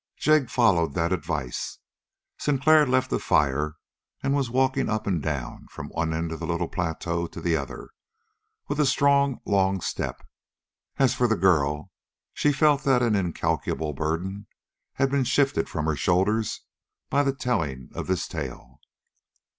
Jig followed that advice. Sinclair had left the fire and was walking up and down from one end of the little plateau to the other, with a strong, long step. As for the girl, she felt that an incalculable burden had been shifted from her shoulders by the telling of this tale.